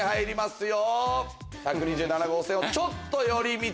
１２７号線をちょっと寄り道。